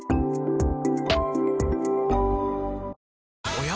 おや？